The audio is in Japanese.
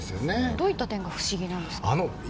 どういった点が不思議なんですか。